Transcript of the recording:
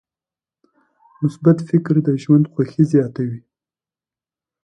مثبت فکر د ژوند خوښي زیاتوي.